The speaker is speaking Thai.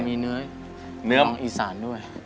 มีเนื้อของอีสานด้วย